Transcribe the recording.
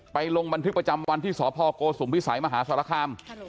ลงบันทึกประจำวันที่สพโกสุมพิสัยมหาศาลคาม